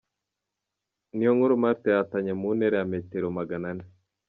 Niyonkuru Marthe yahatanye mu ntera ya metero magana ane.